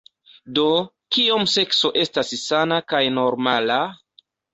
Do, Kiom sekso estas sana kaj normala?